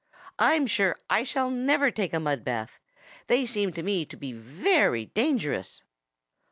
"I'm sure I shall never take a mud bath. They seem to me to be very dangerous."